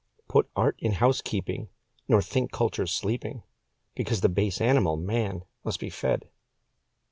Put art in housekeeping, nor think culture sleeping Because the base animal, man, must be fed.